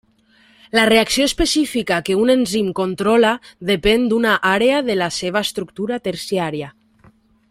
La reacció específica que un enzim controla depèn d'una àrea de la seva estructura terciària.